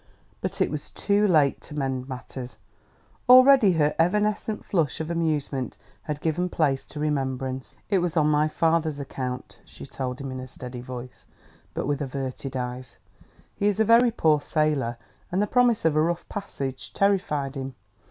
But it was too late to mend matters; already her evanescent flush of amusement had given place to remembrance. "It was on my father's account," she told him in a steady voice, but with averted eyes; "he is a very poor sailor, and the promise of a rough passage terrified him.